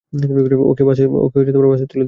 ওকে বাসে তুলে দিয়ে এসো।